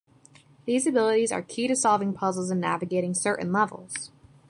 These abilities are key to solving puzzles and navigating certain levels.